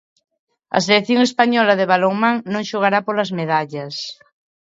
A selección española de balonmán non xogará polas medallas.